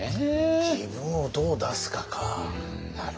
「自分をどう出すか」かなるほどね。